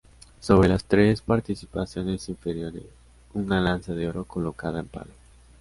Sobre las tres particiones inferiores, una lanza de oro colocada en palo.